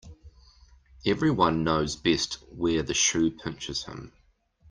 Every one knows best where the shoe pinches him.